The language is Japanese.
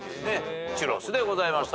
チュロスでございました。